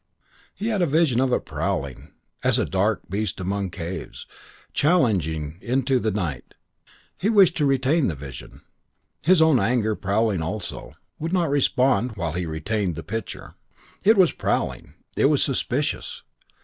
He had a vision of it prowling, as a dark beast among caves, challenging into the night. He wished to retain the vision. His own anger, prowling also, would not respond while he retained the picture. It was prowling. It was suspicious.